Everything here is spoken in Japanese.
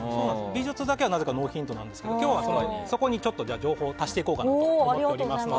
美術だけ、なぜかノーヒントなんですが今日はそこに情報を足していこうかと思います。